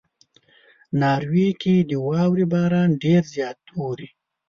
ناروې کې د واورې باران ډېر زیات اوري.